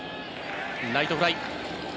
ライトフライ。